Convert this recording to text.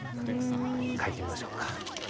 書いてみましょうか。